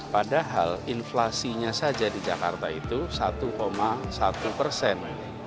padahal inflasinya saja di jakarta itu satu satu persen